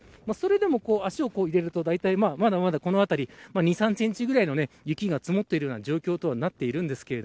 それでも足を入れるとまだまだこの辺りに２、３センチぐらいの雪が積もっている状況となっています。